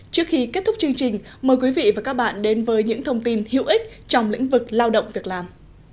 trước khi kết thúc chương trình mời quý vị và các bạn đến với những thông tin hữu ích trong lĩnh vực lao động việc làm